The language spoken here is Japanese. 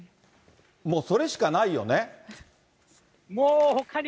もうそれしかないよね。ね。